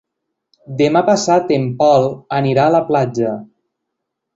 Demà passat en Pol anirà a la platja.